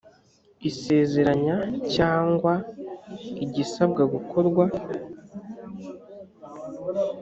isezeranya cyangwa igisabwa gukorwa .